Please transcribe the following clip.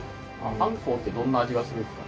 あんこうってどんな味がするんですか？